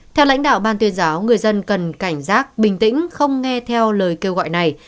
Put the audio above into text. theo lãnh đạo ban tuyên giáo người dân cần cảnh giác bình tĩnh không nghe theo lời kêu gọi này